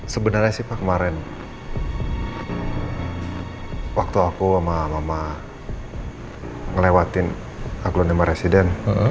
sebenarnya sih pak kemarin waktu aku sama mama ngelewatin akun sama residen